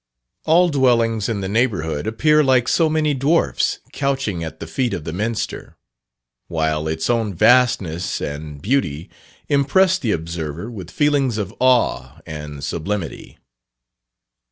All dwellings in the neighbourhood appear like so many dwarfs couching at the feet of the Minster; while its own vastness and beauty impress the observer with feelings of awe and sublimity.